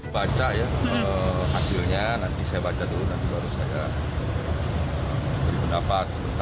baca ya hasilnya nanti saya baca dulu nanti baru saya beri pendapat